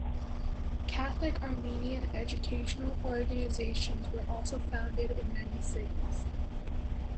Catholic Armenian educational organizations were also founded in many cities.